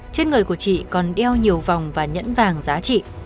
trên người của chị còn đeo nhiều vòng và nhẫn vàng giá trị